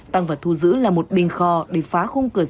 tăng vật thu giữ là một bình kho để phá khung cửa